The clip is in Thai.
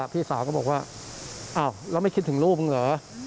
พี่สาวก็บอกว่าอ้าวแล้วไม่คิดถึงลูกมึงเหรอ